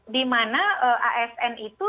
di mana asn itu